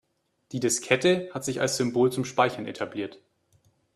Die Diskette hat sich als Symbol zum Speichern etabliert.